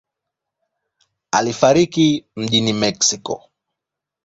Alifariki mjini Mexico City.